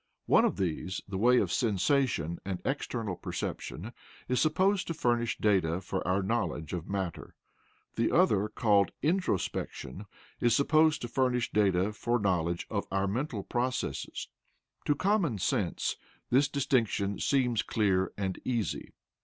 One of these, the way of sensation and external perception, is supposed to furnish data for our knowledge of matter, the other, called "introspection," is supposed to furnish data for knowledge of our mental processes. To common sense, this distinction seems clear and easy.